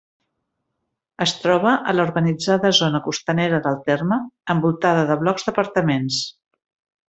Es troba a la urbanitzada zona costanera del terme, envoltada de blocs d’apartaments.